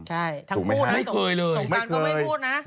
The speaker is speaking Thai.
ใช่ทั้งคู่นะสงการก็ไม่พูดนะ